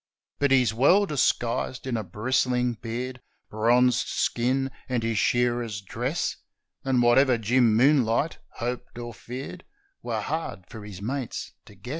But he's well disguised in a bristling beard, Bronzed skin, and his shearer's dress ; And whatever Jim Moonlight hoped or feared Were hard for his mates to guess.